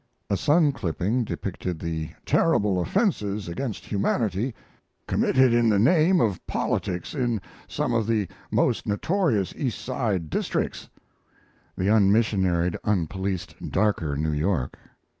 A Sun clipping depicted the "terrible offenses against humanity committed in the name of politics in some of the most notorious East Side districts " the unmissionaried, unpoliced darker New York.